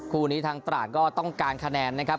คู่นี้ทางตราดก็ต้องการคะแนนนะครับ